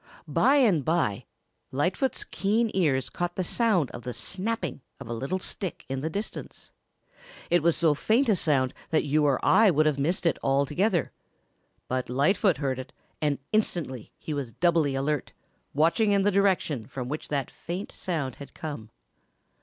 By and by, Lightfoot's keen ears caught the sound of the snapping of a little stick in the distance. It was so faint a sound that you or I would have missed it altogether. But Lightfoot heard it and instantly he was doubly alert, watching in the direction from which that faint sound had come.